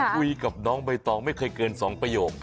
คุยกับน้องบริษัทไม่เคยเกินสองประโยค